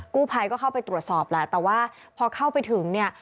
กู้ภัยก็เข้าไปตรวจสอบแหละแต่ว่าพอเข้าไปถึงเนี่ย